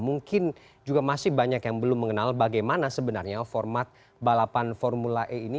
mungkin juga masih banyak yang belum mengenal bagaimana sebenarnya format balapan formula e ini